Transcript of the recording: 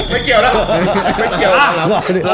ไม่เกี่ยวนะ